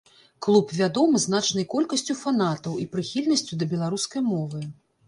Клуб вядомы значнай колькасцю фанатаў і прыхільнасцю да беларускай мовы.